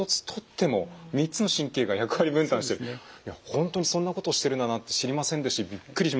本当にそんなことしてるだなんて知りませんですしびっくりしました。